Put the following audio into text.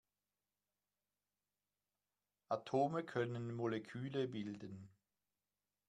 Atome können Moleküle bilden.